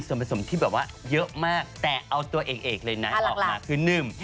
ส่วนผสมที่แบบว่าเยอะมากแต่เอาตัวเอกเลยนะออกมาคือนึ่ม